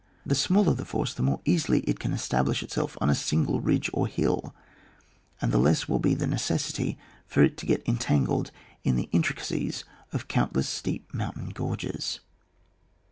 The smaller the force, the more easily it can establish itself on a single ridge or hiU, and the less will be the necessity for it to get entangled in the intricacies of countless steep mountain gorges.